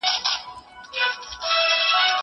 زه کولای سم سينه سپين وکړم!!